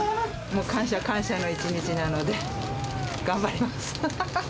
もう感謝、感謝の一日なので、頑張ります。